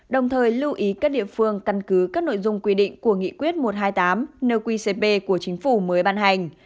đồng thời lưu ý các địa phương căn cứ các nội dung quy định của nghị quyết một trăm hai mươi tám nqcp của chính phủ mới ban hành